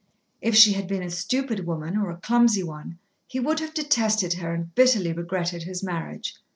If she had been a stupid woman or a clumsy one, he would have detested her and bitterly regretted his marriage.